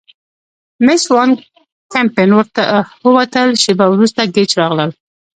مېس وان کمپن ووتل، شیبه وروسته ګېج راغلل.